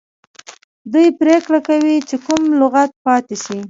دوی پریکړه کوي چې کوم لغت پاتې شي.